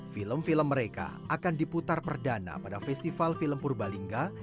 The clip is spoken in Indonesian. film film mereka akan diputar perdana pada festival film purbalingga